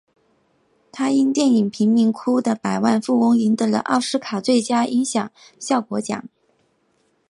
他因电影贫民窟的百万富翁赢得了奥斯卡最佳音响效果奖。